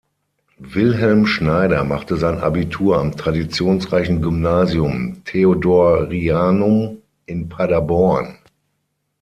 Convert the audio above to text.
Wilhelm Schneider machte sein Abitur am traditionsreichen Gymnasium Theodorianum in Paderborn.